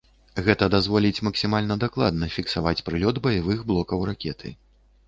Гэта дазволіць максімальна дакладна фіксаваць прылёт баявых блокаў ракеты.